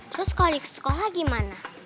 terus kalau di sekolah gimana